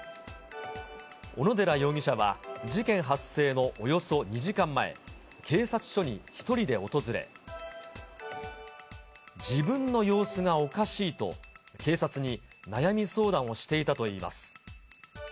小野寺容疑者は、事件発生のおよそ２時間前、警察署に１人で訪れ、自分の様子がおかしいと、警察に悩み相談をしていたといいます。